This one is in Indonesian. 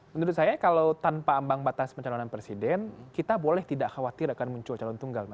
menurut saya kalau tanpa ambang batas pencalonan presiden kita boleh tidak khawatir akan muncul calon tunggal